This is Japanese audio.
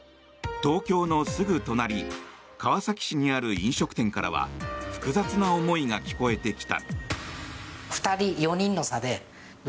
東京のすぐ隣、川崎市にある飲食店からは複雑な思いが聞こえてきた。